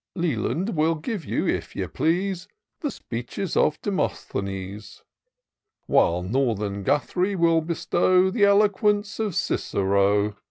Leland wiU give you, if ye please. The speeches of Demosthenes ; While Northern Guthrie will bestow The eloquence of Cicero.